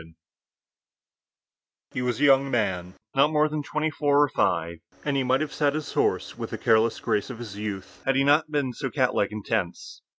WAR HE was a young man, not more than twenty four or five, and he might have sat his horse with the careless grace of his youth had he not been so catlike and tense.